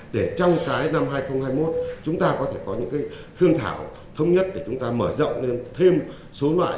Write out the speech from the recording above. để trong cái năm hai nghìn hai mươi một chúng ta có thể có những cái thương thảo thống nhất để chúng ta mở rộng lên thêm số loại